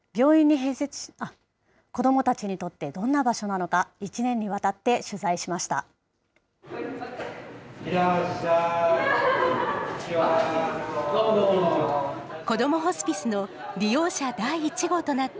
子どもたちにとってどんな場所なのか、１年にわたって取材しました。